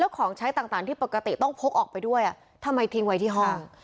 ของใช้ต่างที่ปกติต้องพกออกไปด้วยทำไมทิ้งไว้ที่ห้อง